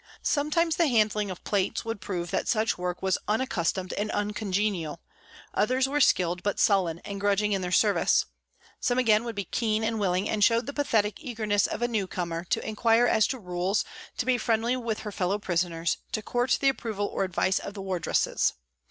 Sometimes the handling of plates would prove that such work was unaccus tomed and uncongenial, others were skilled but sullen and grudging in their service, some again would be keen and willing and showed the pathetic eagerness of a newcomer to inquire as to rules, to be friendly with her fellow prisoners, to court the approval or advice of the wardresses.